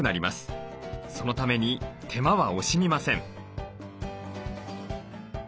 そのために手間は惜しみません。